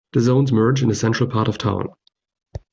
The zones merge in the central part of town.